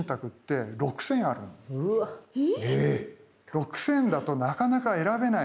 ６，０００だとなかなか選べない。